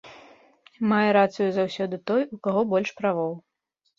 Мае рацыю заўсёды той, у каго больш правоў.